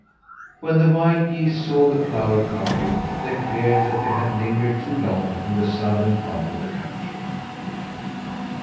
When the wild geese saw the flower carpet they feared that they had lingered too long in the southern part of the country.